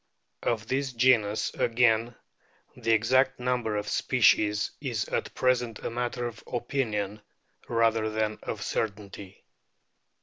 Of this genus again the exact number of species is at present a matter of opinion rather than of certainty.